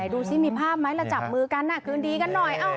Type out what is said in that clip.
ดูสิมีภาพไหมเราจับมือกันคืนดีกันหน่อย